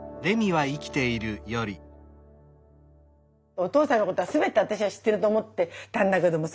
お父さんのことは全て私は知ってると思ってたんだけどもさ